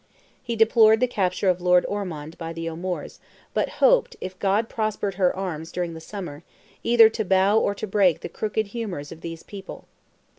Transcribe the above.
He deplored the capture of Lord Ormond by the O'Moores, but hoped, if God prospered her arms during the summer, either "to bow or to break the crooked humours of these people."